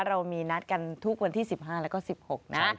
เรามีนัดกันทุกวันที่๑๕แล้วก็๑๖นะ